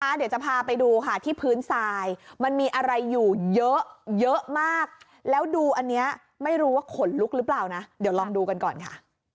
เดี๋ยวจะพาไปดูค่ะที่พื้นทรายมันมีอะไรอยู่เยอะเยอะมากแล้วดูอันนี้ไม่รู้ว่าขนลุกหรือเปล่านะเดี๋ยวลองดูกันก่อนค่ะ